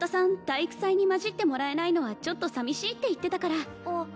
体育祭にまじってもらえないのはちょっと寂しいって言ってたからあっ